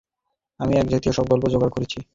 আমি এইজাতীয় সব গল্প জোগাড় করছি।